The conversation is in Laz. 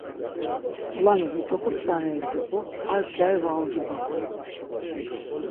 K̆ulani vit̆oxut tzaneri diqu, ar gyari va ugibapun.